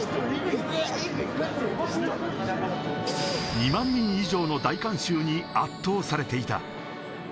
２万人以上の大観衆に圧倒されていた。